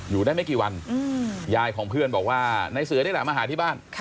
อยู่ได้ไม่กี่วันยายของเพื่อนบอกว่าในเสือนี่แหละมาหาที่บ้าน